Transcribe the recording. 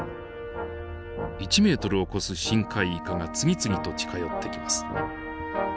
１メートルを超す深海イカが次々と近寄ってきます。